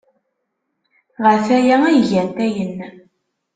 Ɣef waya ay gant ayen.